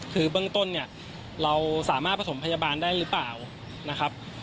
คือเบื้องต้นเนี่ยเราสามารถประถมพยาบาลได้หรือเปล่านะครับ